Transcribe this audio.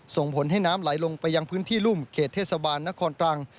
ส่งผลให้น้ำไหลลงไปยังพื้นที่รุ่มเขตเทศบาลนครตรัง